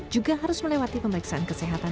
juga harus melewati pemeriksaan kesehatan